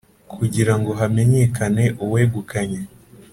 Kugira ngo hamenyekane uwegukanye